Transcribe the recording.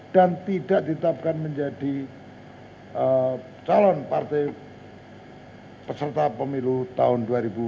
tidak ditetapkan menjadi calon partai peserta pemilu tahun dua ribu dua puluh